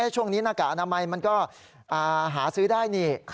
ช่วงนี้หน้ากากอนามัยมันก็หาซื้อได้นี่